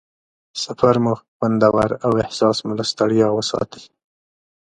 سفر مو خوندور او احساس مو له ستړیا وساتي.